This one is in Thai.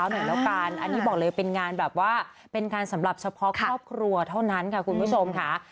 บอกเลยเป็นงานแบบว่าเป็นการสำหรับเฉพาะครอบครัวเท่านั้นค่ะคุณผู้ชมค่ะ